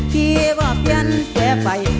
ที่ว่าเปลี่ยนแสไป